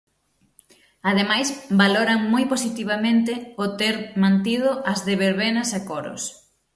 Ademais, valoran moi positivamente o ter mantido as de verbenas e coros.